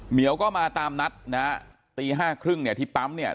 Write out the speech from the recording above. เหี่ยวก็มาตามนัดนะฮะตีห้าครึ่งเนี่ยที่ปั๊มเนี่ย